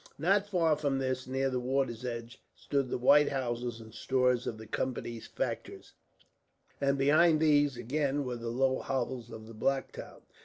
Not far from this, near the water's edge, stood the white houses and stores of the Company's factors; and behind these, again, were the low hovels of the black town.